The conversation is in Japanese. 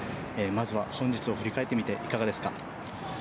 まずは本日を振り返ってみて、いかがですか？